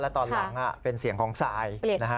และตอนหลังเป็นเสียงของสาย